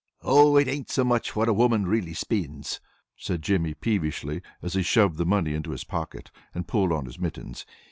"Oh, it ain't so much what a woman really spinds," said Jimmy, peevishly, as he shoved the money into his pocket, and pulled on his mittens.